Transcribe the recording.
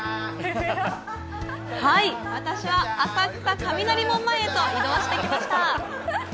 はい、私は浅草、雷門前へと移動してきました。